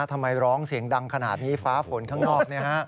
ทำไมร้องเสียงดังขนาดนี้ฟ้าฝนข้างนอก